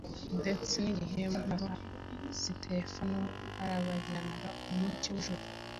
ndetse n’igihe mu maso ha Sitefano harabagiranaga umucyo w’ijuru